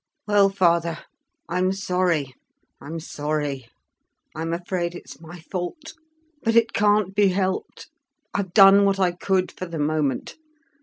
"Well father, I'm sorry. I'm sorry. I'm afraid it's my fault. But it can't be helped; I've done what I could for the moment.